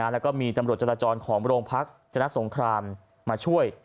แล้วก็มีตำรวจจราจรของโรงพักชนะสงครามมาช่วย